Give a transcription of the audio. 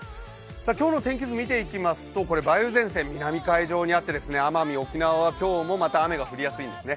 今日の天気図、見ていきますと梅雨前線、南の海上にあって奄美、沖縄は今日もまた雨が降りやすいんですね。